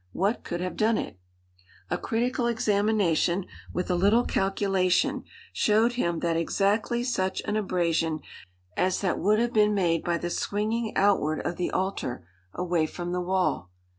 What could have done it? A critical examination, with a little calculation, showed him that exactly such an abrasion as that would have been made by the swinging outward of the altar, away from the wall.